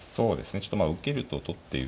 ちょっと受けると取っていう。